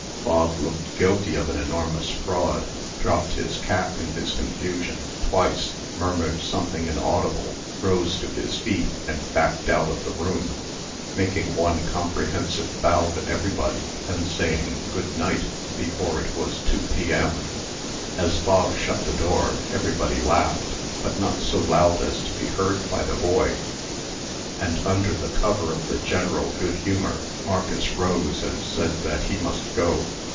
Bog looked guilty of an enormous fraud, dropped his cap, in his confusion, twice, murmured something inaudible, rose to his feet, and backed out of the room, making one comprehensive bow to everybody, and saying "Good night" before it was two P.M. As Bog shut the door, everybody laughed, but not so loud as to be heard by the boy; and, under the cover of the general good humor, Marcus rose, and said that he must go.